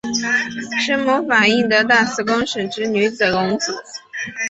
生母法印德大寺公审之女荣子。